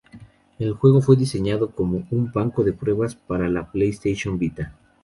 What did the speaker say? El juego fue diseñado como un banco de pruebas para la PlayStation Vita.